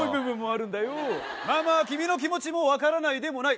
まあまあ君の気持ちも分からないでもない。